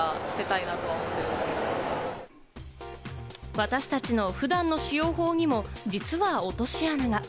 私達の普段の使用方法にも、実は落とし穴が。